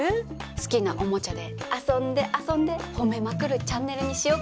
好きなおもちゃで遊んで遊んで褒めまくるチャンネルにしようかと。